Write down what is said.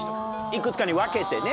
幾つかに分けてね。